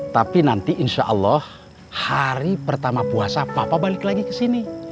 tapi nanti insyaallah hari pertama puasa papa balik lagi kesini